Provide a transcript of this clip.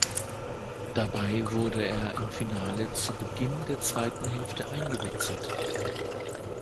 Dabei wurde er im Finale zu Beginn der zweiten Hälfte eingewechselt.